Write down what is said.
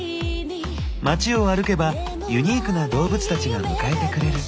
街を歩けばユニークな動物たちが迎えてくれる。